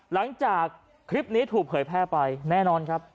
หลังจากคลิปนี้ถูกเผยแพร่ไปแน่นอนครับ